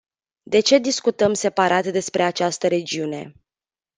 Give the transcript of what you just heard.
De ce discutăm separat despre această regiune?